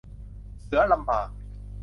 เสือลำบาก